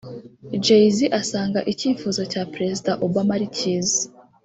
Jay Z asanga icyifuzo cya Perezida Obama ari cyiza